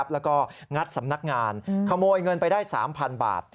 แล้วก็งัดสำนักงานขโมยเงินไปได้๓๐๐๐บาท